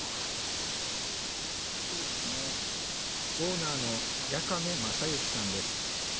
オーナーの八亀雅之さんです。